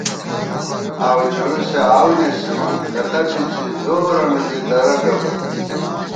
آؤوڄُڑُسے آؤو نېسِمان ، کتہ بی زی زورَہ مِنزی درہ گہ بہ